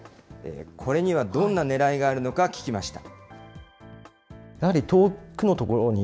これにはどんなねらいがあるのか聞きました。